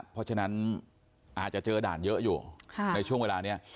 เพราะฉะนั้นอาจจะเจอด่านเยอะอยู่ในช่วงเวลานี้